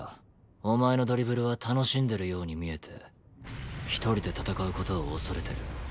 お前のドリブルは楽しんでるように見えて１人で戦う事を恐れてる。